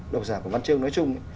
độc giả của văn chương nói chung